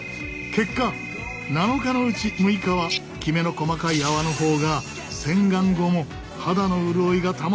結果７日のうち６日はきめの細かい泡の方が洗顔後も肌の潤いが保たれていた。